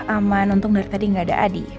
aman untung dari tadi nggak ada adi